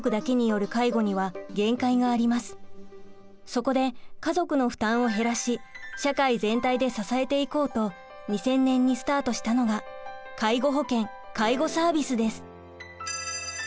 そこで家族の負担を減らし社会全体で支えていこうと２０００年にスタートしたのが介護保険・介護サービスです。